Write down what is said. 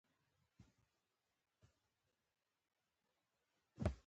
د باور ساتل د اخلاقو نښه ده.